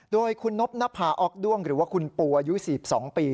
โดยคุณนบนภาออกด้วงหรือว่าคุณปูอายุ๔๒ปี